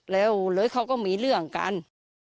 แล้วเลยเขาก็มีเรื่องกัน